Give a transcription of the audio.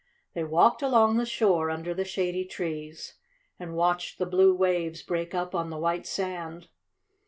They walked along the shore, under the shady trees, and watched the blue waves break up on the white sand.